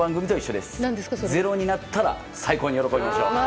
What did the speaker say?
０になったら最高に喜びましょう。